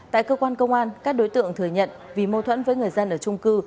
tại cơ quan công an các đối tượng thừa nhận vì mâu thuẫn với người dân ở trung cư